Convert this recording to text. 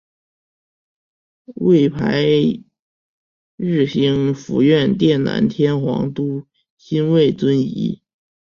位牌曰兴福院殿南天皇都心位尊仪。